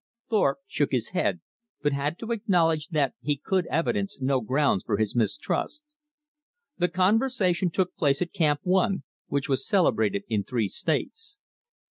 Thorpe shook his head, but had to acknowledge that he could evidence no grounds for his mistrust. The conversation took place at Camp One, which was celebrated in three states.